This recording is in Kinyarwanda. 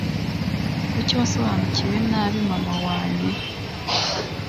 Kuki wasobanukiwe nabi mama wanye